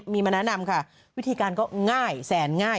มีมาแนะนำค่ะวิธีการก็ง่ายแสนง่าย